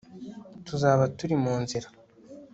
tuzaba turi munzira